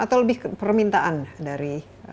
atau lebih permintaan dari